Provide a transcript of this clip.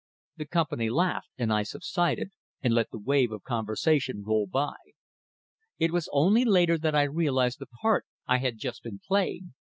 The company laughed, and I subsided, and let the wave of conversation roll by. It was only later that I realized the part I had just been playing.